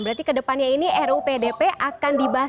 berarti kedepannya ini ru pdp akan dibahas